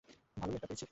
ভালোই একটা পেয়েছি।